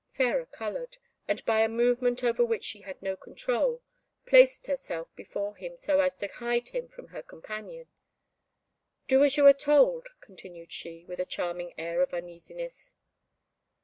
Fairer coloured, and by a movement over which she had no control, placed herself before him so as to hide him from her companion. "Do as you are told," continued she, with a charming air of uneasiness.